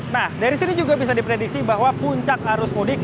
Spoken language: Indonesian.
nah dari sini juga bisa diprediksi bahwa puncak arus mudik